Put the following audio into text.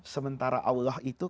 sementara allah itu